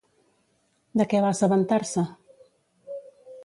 De què va assabentar-se?